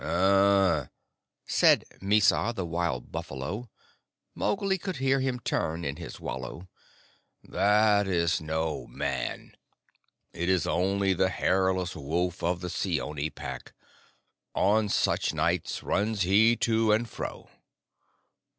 "Uhh!" said Mysa the Wild Buffalo (Mowgli could hear him turn in his wallow), "that is no man. It is only the hairless wolf of the Seeonee Pack. On such nights runs he to and fro."